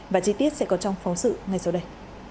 và chi tiết sẽ có trong phóng sự ngay sau đây